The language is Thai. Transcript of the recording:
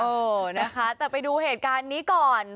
เออนะคะแต่ไปดูเหตุการณ์นี้ก่อน